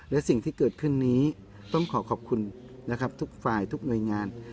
และสิ่งที่เกิดขึ้นนี้ต้องขอขอบคุณนะครับทุกฝ่ายทุกหน่วยงาน